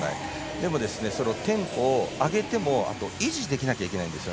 でもテンポを上げても維持できなきゃいけないんですよ。